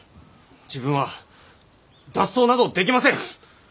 自分は脱走などできません！